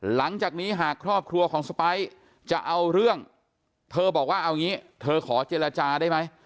หลังจากนี้หากครอบครัวของสไปร์จะเอาเรื่องเธอบอกว่าเอางี้เธอขอเจรจาได้ไหม